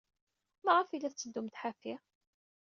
Maɣef ay la tetteddumt ḥafi?